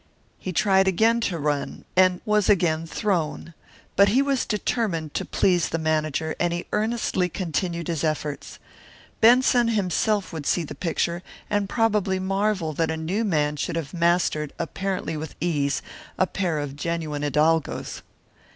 He tried again to run; was again thrown. But he was determined to please the manager, and he earnestly continued his efforts. Benson himself would see the picture and probably marvel that a new man should have mastered, apparently with ease, a pair of genuine hidalgos.